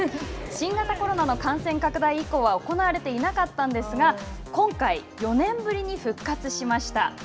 新型コロナの感染拡大以降は行われていなかったんですが、今回、４年ぶりに復活しました。